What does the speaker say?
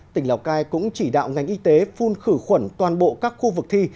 tỉnh lào cai cũng chỉ đạo ngành y tế phun khử khuẩn toàn bộ các khu vực thi